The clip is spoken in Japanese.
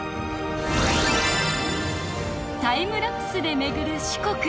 タイムラプスで巡る四国